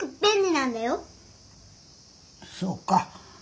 そうか。